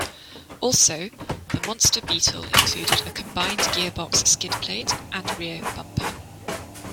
Also, the Monster Beetle included a combined gearbox skid plate and rear bumper.